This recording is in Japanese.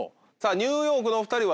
ニューヨークのお２人は？